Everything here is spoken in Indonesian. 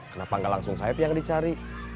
kenapa gak langsung saeb yang dicari